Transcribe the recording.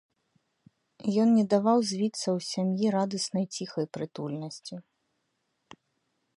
Ён не даваў звіцца ў сям'і радаснай, ціхай прытульнасці.